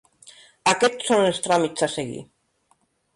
Aquests són els tràmits a seguir.